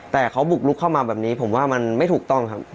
แต่เขาบุกลุกเข้ามาแบบนี้ผมว่ามันไม่ถูกต้องครับ